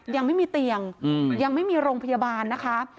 ยังไม่มีเตียงยังไม่มีโรงพยาบาลนะคะ